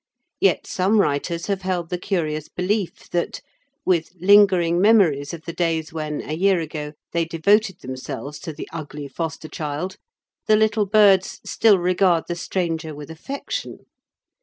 Yet some writers have held the curious belief that, with lingering memories of the days when, a year ago, they devoted themselves to the ugly foster child, the little birds still regard the stranger with affection.